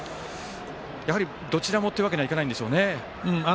やはり、どちらもというわけにはいかないんでしょうね。